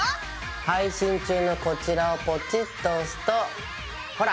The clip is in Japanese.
配信中のこちらをポチッと押すとほら！